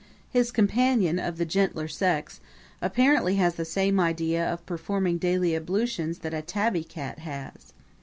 His companion of the gentler sex apparently has the same idea of performing daily ablutions that a tabby cat has.